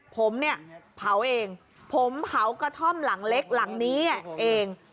ผมเนี่ยเผาเองผมเผากระท่อมหลังเล็กหลังนี้เอง